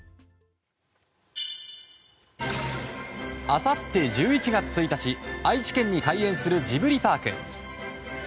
あさって１１月１日愛知県に開園するジブリパーク。